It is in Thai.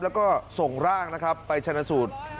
แล้วก็ส่งร่างนะครับไปชนะสูตร